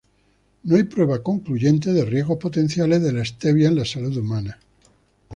No hay prueba concluyente de riesgos potenciales de la stevia en la salud humana.